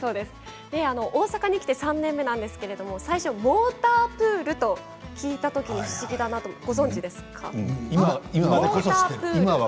大阪に来て３年目なんですけど最初モータープールと聞いたとき不思議だなと思って。